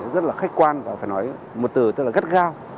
rất là khách quan và phải nói một từ tức là gắt gao